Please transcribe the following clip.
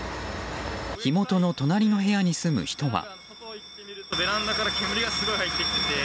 火元の隣の部屋に住む人は。